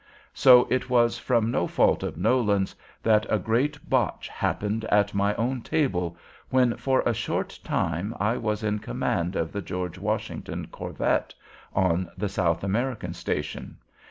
So it was from no fault of Nolan's that a great botch happened at my own table, when, for a short time, I was in command of the George Washington corvette, on the South American station.